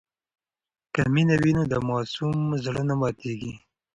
که مینه وي نو د ماسوم زړه نه ماتېږي.